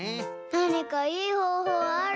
なにかいいほうほうある？